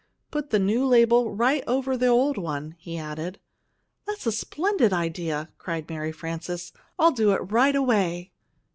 "Put the new label right over the old one," he added. "That's a splendid idea!" cried Mary Frances. "I'll do it right away!"